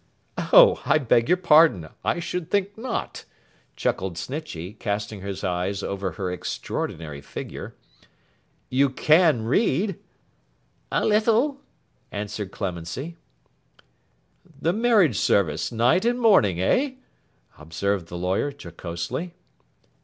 'Oh! I beg your pardon. I should think not,' chuckled Snitchey, casting his eyes over her extraordinary figure. 'You can read?' 'A little,' answered Clemency. 'The marriage service, night and morning, eh?' observed the lawyer, jocosely.